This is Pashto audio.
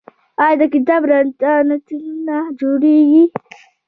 آیا د کتاب نندارتونونه جوړیږي؟